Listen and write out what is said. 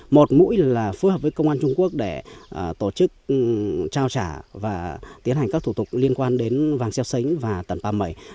một mũi là phối hợp với công an trung quốc để tổ chức trao trả và tiến hành các thủ tục liên quan đến vàng xeo xánh và tần pal mẩy